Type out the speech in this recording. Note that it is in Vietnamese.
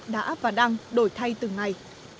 đã và đang đổi thay từng ngày